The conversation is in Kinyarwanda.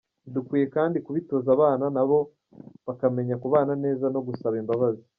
Dukwiye kandi kubitoza abana na bo bakamenya kubana neza no gusaba imbabazi.